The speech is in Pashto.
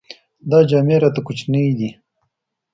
دا جامې راته کوچنۍ دي.